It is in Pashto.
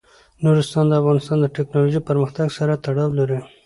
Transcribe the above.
نورستان د افغانستان د تکنالوژۍ پرمختګ سره تړاو لري.